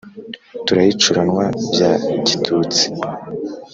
Turayicuranwa bya gitutsi,